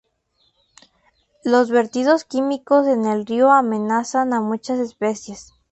Los vertidos químicos en el río amenazan a muchas especies.